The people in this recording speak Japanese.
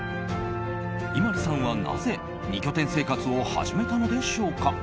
ＩＭＡＬＵさんはなぜ２拠点生活を始めたのでしょうか。